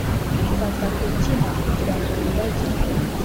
fata kubyina kugirango wibagirwe.